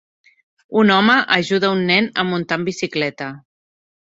Un home ajuda un nen a muntar en bicicleta.